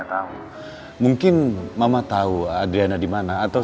kakak kemarin mah best devilporus